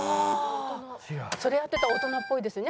それやってたら大人っぽいですね。